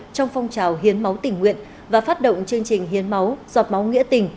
trong phong trào hiến máu tỉnh nguyện và phát động chương trình hiến máu giọt máu nghĩa tỉnh